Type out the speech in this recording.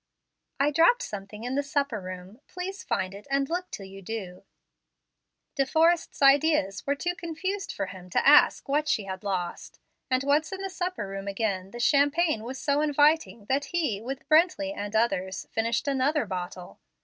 "I dropped something in the supper room. Please find it, and look till you do." De Forrest's ideas were too confused for him to ask what she had lost; and once in the supper room again, the champagne was so inviting that he, with Brently and others, finished another bottle.